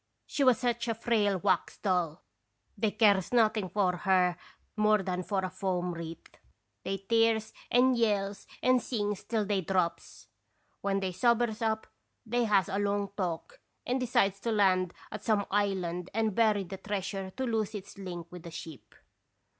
She was such a frail wax doll they cares noth ing for her more than for a foam wreath. They tears and yells and sings till they drops. When they sobers up, they has a long talk and decides to land at some island and bury the treasure to lose its link with the ship.